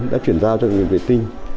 đã chuyển giao cho bệnh viện vệ tinh